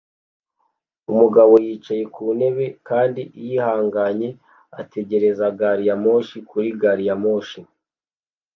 Umugabo yicaye ku ntebe kandi yihanganye ategereza gari ya moshi kuri gari ya moshi